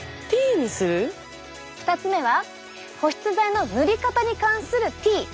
２つ目は保湿剤の塗り方に関するＴ！